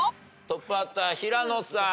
トップバッター平野さん。